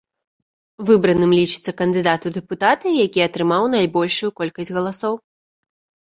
Выбраным лічыцца кандыдат у дэпутаты, які атрымаў найбольшую колькасць галасоў.